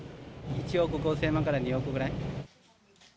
１億５０００万から２億ぐらい。